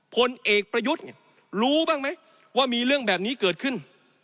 ผลเอกประยุทธ์รู้บ้างไหมว่ามีเรื่องแบบนี้เกิดขึ้น